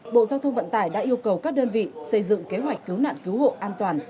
bộ giao thông vận tải đã yêu cầu các đơn vị xây dựng kế hoạch cứu nạn cứu hộ an toàn